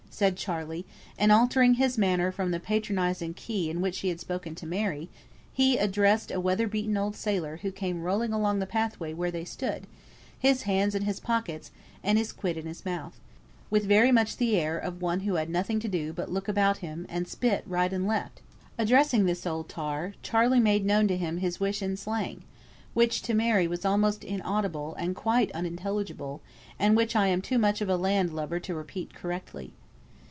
said Charley; and altering his manner from the patronising key in which he had spoken to Mary, he addressed a weather beaten old sailor who came rolling along the pathway where they stood, his hands in his pockets, and his quid in his mouth, with very much the air of one who had nothing to do but look about him, and spit right and left; addressing this old tar, Charley made known to him his wish in slang, which to Mary was almost inaudible, and quite unintelligible, and which I am too much of a land lubber to repeat correctly.